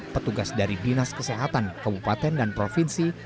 petugas dari dinas kesehatan kabupaten dan provinsi